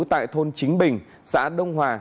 tại thôn chính bình xã đông hòa